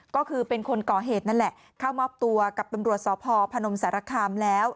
ก็คือเป็นคนก่อเหตุนั่นแหละเข้ามอบตัวกับตำรวจสพพนมสารคามแล้ว